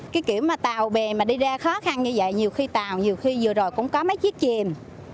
cái kiểu mà tàu bè mà đi ra khó khăn như vậy nhiều khi tàu nhiều khi vừa rồi cũng có mấy chiếc chìm